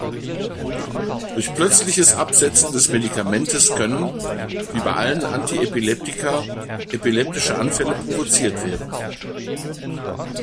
Durch plötzliches Absetzen des Medikamentes können, wie bei allen Antiepileptika, epileptische Anfälle provoziert werden.